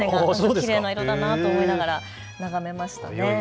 きれいな色だなと思いながら眺めましたね。